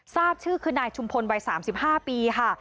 ทราบชื่อคือนายชุมพลวัย๓๕ปีค่ะ